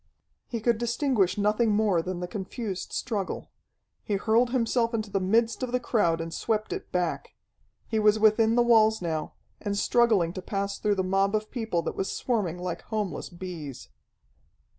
He could distinguish nothing more than the confused struggle. He hurled himself into the midst of the crowd and swept it back. He was within the walls now, and struggling to pass through the mob of people that was swarming like homeless bees.